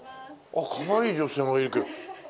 あっかわいい女性がいるけど。